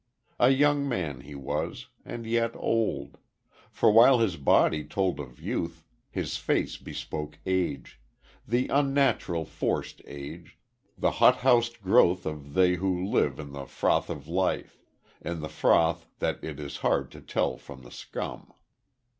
A young man he was and yet old; for while his body told of youth, his face bespoke age the unnatural forced age the hot housed growth of they who live in the froth of life in the froth that it is hard to tell from the scum.